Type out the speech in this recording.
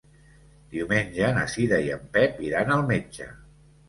Diumenge na Cira i en Pep iran al metge.